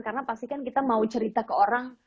karena pasti kan kita mau cerita ke orang